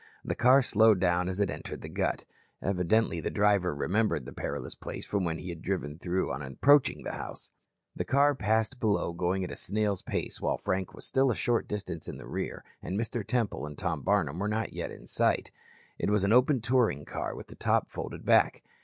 The car slowed down as it entered the Gut. Evidently the driver remembered the perilous place from when he had driven through on approaching the house. The car passed below going at a snail's pace while Frank was still a short distance in the rear and Mr. Temple and Tom Barnum were not yet in sight. It was an open touring car with the top folded back.